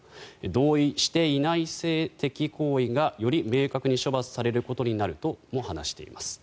同意していない性的行為がより明確に処罰されることになるとも話しています。